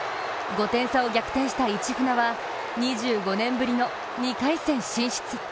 ５点差を逆転した市船は２５年ぶりの２回戦進出。